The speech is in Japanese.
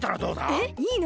えっいいの！？